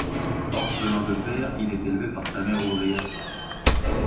Orphelin de père, il est élevé par sa mère ouvrière.